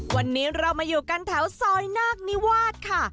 วันนี้เรามาอยู่กันแถวซอยนาคนิวาสค่ะ